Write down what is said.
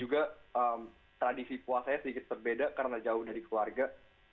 juga tradisi puasanya sedikit berbeda karena jauh dari keluarga